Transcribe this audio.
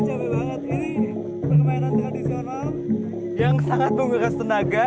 ini cabai banget ini permainan tradisional yang sangat menggeras tenaga